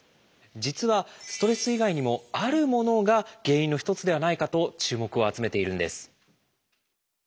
実はストレス以外にもあるものが原因の一つではないかと注目を集めているんです。